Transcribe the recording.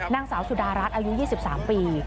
นางสาวสุดารัฐอายุ๒๓ปี